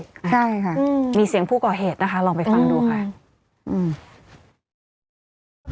ใช่ค่ะมีเสียงผู้ก่อเหตุนะคะลองไปฟังดูค่ะอืม